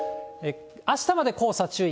あしたまで黄砂注意。